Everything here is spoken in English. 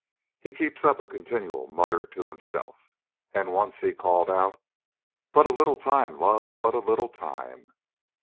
He keeps up a continual mutter to himself, and once he called out, "But a little time, love but a little time!"